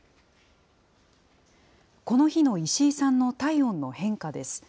この日の石井さんの体温の変化です。